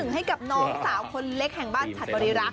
ให้กับน้องสาวคนเล็กแห่งบ้านฉัดบริรักษ